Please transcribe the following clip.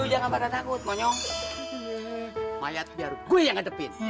lu jangan takut monyok mayat biar gue ngadepin